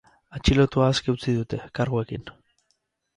Atxilotua aske utzi dute, karguekin.